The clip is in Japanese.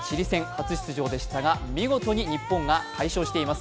初出場でしたが見事に日本が快勝しています。